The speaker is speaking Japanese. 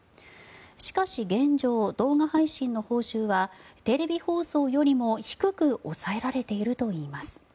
しかし現状、動画配信の報酬はテレビ放送よりも低く抑えられているといいます。